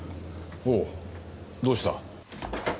おうどうした？